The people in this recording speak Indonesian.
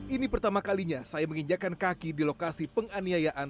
ini pertama kalinya saya menginjakan kaki di lokasi penganiayaan